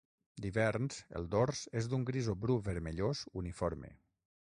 D'hiverns, el dors és d'un gris o bru vermellós uniforme.